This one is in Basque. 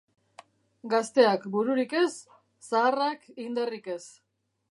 Gazteak bururik ez, zaharrak indarrik ez.